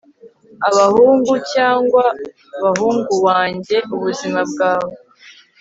abahungu banjye, bahungu banjye, ubuzima bwawe